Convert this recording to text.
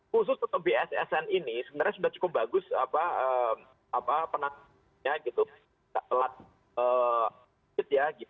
khusus untuk bssn ini sebenarnya sudah cukup bagus penanganannya